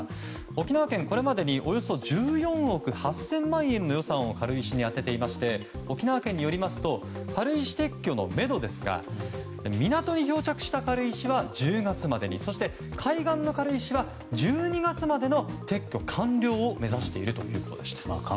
沖縄県これまでにおよそ１４億８０００万円の予算を軽石に充てていまして沖縄県によりますと軽石撤去のめどですが港に漂着した軽石は１０月までにそして海岸に漂着した軽石は１２月までの撤去の完了を目指しているということです。